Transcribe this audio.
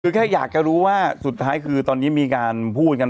คือแค่อยากจะรู้ว่าสุดท้ายคือตอนนี้มีการพูดกัน